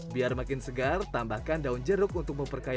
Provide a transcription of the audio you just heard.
biar makin segar tambahkan daun jeruk untuk memperkaya